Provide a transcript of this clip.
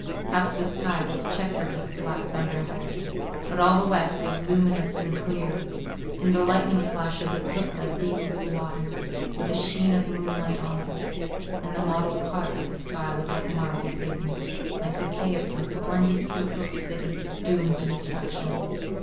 Half the sky was checkered with black thunderheads, but all the west was luminous and clear: in the lightning flashes it looked like deep blue water, with the sheen of moonlight on it; and the mottled part of the sky was like marble pavement, like the quay of some splendid sea coast city, doomed to destruction.